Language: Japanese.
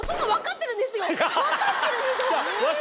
分かってるんですホントに。